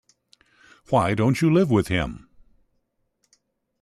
Why don't you live with him?